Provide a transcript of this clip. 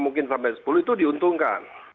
mungkin sampai sepuluh itu diuntungkan